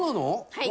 はい。